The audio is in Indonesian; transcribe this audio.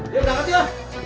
ya berangkat ya